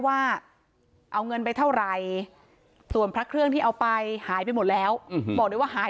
นี่ช่างมันเปิดอยู่ใช่ไหมครับเพราะมองว่าจะขึ้นปัญหาพระอาจารย์